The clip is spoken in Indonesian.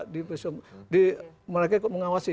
di visium mereka mengawasi